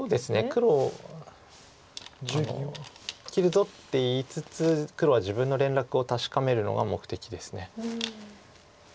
黒切るぞって言いつつ黒は自分の連絡を確かめるのが目的です。